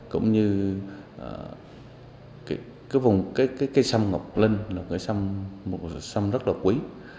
cũng như cái cây sâm ngọc linh là cây sâm rất là quý